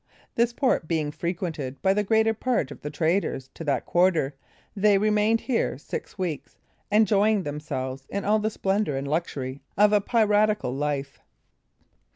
This port being frequented by the greater part of the traders to that quarter, they remained here six weeks, enjoying themselves in all the splendor and luxury of a piratical life.